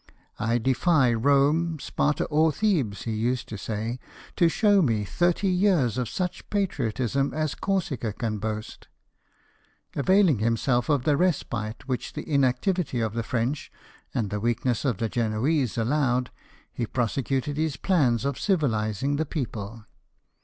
" I defy Kome, Sparta, or Thebes," he used to say, " to show me thirty years of such patriotism as Corsica can boast !" Availing himself of the respite which the inactivity of the French and the weakness of the Genoese allowed, he prosecuted his plans of civilising the people.